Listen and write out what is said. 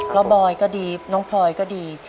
แล้วบอยก็ดีน้องพลอยก็ดี